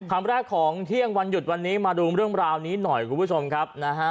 คำแรกของเที่ยงวันหยุดวันนี้มาดูเรื่องราวนี้หน่อยคุณผู้ชมครับนะฮะ